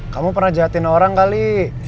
kamu pernah jahatin orang kali